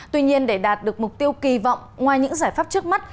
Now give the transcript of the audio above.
tuy nhiên để đạt được mục tiêu kỳ vọng ngoài những giải pháp trước mắt